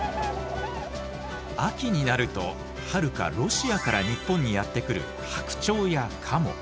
秋になるとはるかロシアから日本にやって来る白鳥やカモ。